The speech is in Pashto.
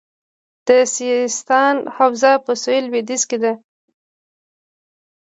د سیستان حوزه په سویل لویدیځ کې ده